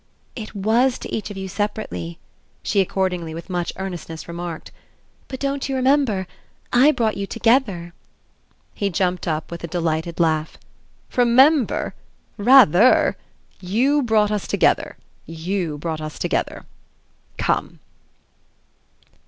"It WAS to each of you separately," she accordingly with much earnestness remarked. "But don't you remember? I brought you together." He jumped up with a delighted laugh. "Remember? Rather! You brought us together, you brought us together. Come!"